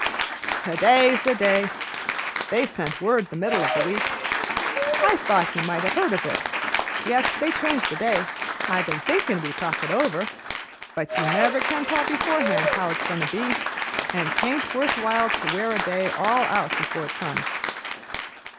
"To day's the day. They sent word the middle o' the week. I thought you might have heard of it. Yes, they changed the day. I been thinkin' we'd talk it over, but you never can tell beforehand how it's goin' to be, and 'taint worth while to wear a day all out before it comes."